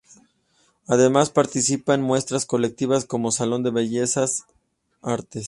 Además participa en muestras colectivas como Salón de Bellas Artes.